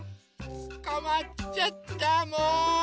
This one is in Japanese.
つかまっちゃったもう！